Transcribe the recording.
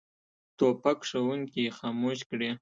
توپک ښوونکي خاموش کړي.